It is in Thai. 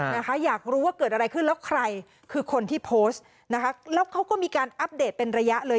นะคะอยากรู้ว่าเกิดอะไรขึ้นแล้วใครคือคนที่โพสต์นะคะแล้วเขาก็มีการอัปเดตเป็นระยะเลย